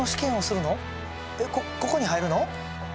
こここに入るの？